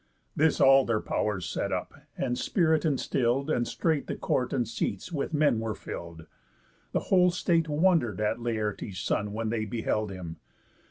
This all their pow'rs set up, and spirit instill'd, And straight the court and seats with men were fill'd. The whole state wonder'd at Laertes' son, When they beheld him.